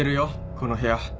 この部屋。